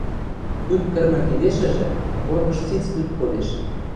Ӱп кӹрмӹ кидешӹжӹ кормыж циц ӱп кодеш.